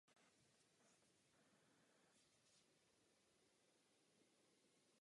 Studoval zoologii a botaniku.